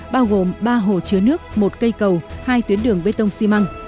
bao gồm ba hồ chứa nước một cây cầu hai tuyến đường bê tông xi măng